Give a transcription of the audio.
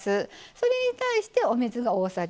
それに対してお水が大さじ６。